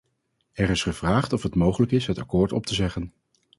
Er is gevraagd of het mogelijk is het akkoord op te zeggen.